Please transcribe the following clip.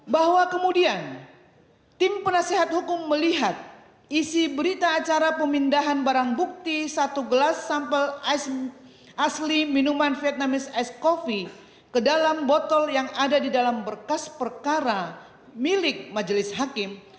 bahwa kemudian tim penasehat hukum melihat isi berita acara pemindahan barang bukti satu gelas sampel asli minuman vietnamese ice coffee ke dalam botol yang ada di dalam berkas perkara milik majelis hakim